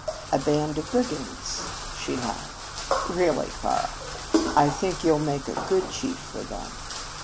"A band of brigands," she laughed. "Really, Karl, I think you'll make a good chief for them.